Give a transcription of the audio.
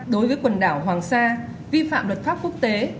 đối với quần đảo hoàng sa vi phạm luật pháp quốc tế